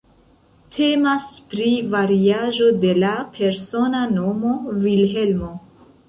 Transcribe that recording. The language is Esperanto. Temas pri variaĵo de la persona nomo Vilhelmo.